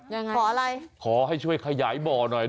ยังไงขออะไรขอให้ช่วยขยายบ่อหน่อย